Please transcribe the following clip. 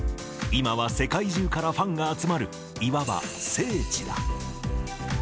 今は世界中からファンが集まるいわば聖地だ。